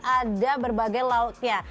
ada berbagai lauknya